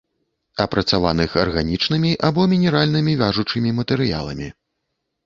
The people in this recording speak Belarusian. Апрацаваных арганічнымі або мінеральнымі вяжучымі матэрыяламі